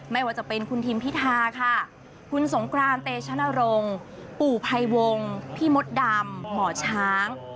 ไม่ว่าจะเป็นคุณทิมพิธาค่ะคุณสงกรานเตชนรงค์ปู่ภัยวงพี่มดดำหมอช้าง